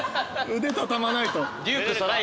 腕畳まないと。